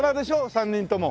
３人とも。